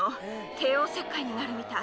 帝王切開になるみたい。